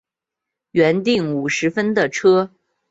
原订五十分的车